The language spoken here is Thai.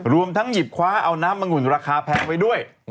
รวมทั้งหยิบคว้าเอาน้ำมังุ่นราคาแพงไว้ด้วย